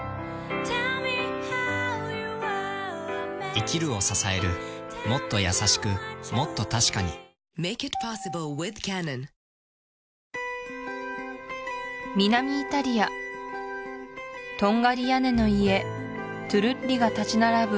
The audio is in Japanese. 生きるを支えるもっと優しくもっと確かに南イタリアトンガリ屋根の家トゥルッリが立ち並ぶ